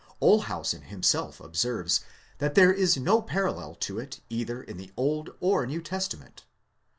Olshausen him self observes, that there is no parallel to it either in the Old or New Testa ment.